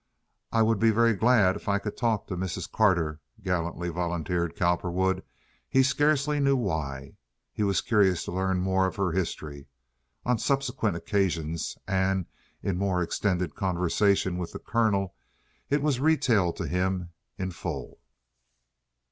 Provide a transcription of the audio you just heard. "I would be very glad if I could talk to Mrs. Carter," gallantly volunteered Cowperwood—he scarcely knew why. He was curious to learn more of her history. On subsequent occasions, and in more extended conversation with the Colonel, it was retailed to him in full.